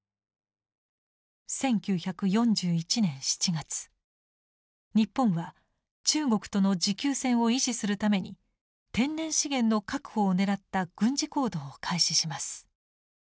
１９４１年７月日本は中国との持久戦を維持するために天然資源の確保を狙った軍事行動を開始します。